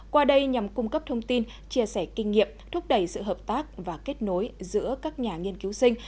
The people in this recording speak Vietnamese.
qua đây nhằm cung cấp thông tin chia sẻ kinh nghiệm thúc đẩy sự hợp tác và kết nối giữa các nhà nghiên cứu sinh